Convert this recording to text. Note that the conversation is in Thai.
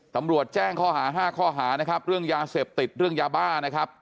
ตำรวจแจ้งข้อหา๕ข้อหานะครับเรื่องยาเสพติดเรื่องยาบ้านะครับ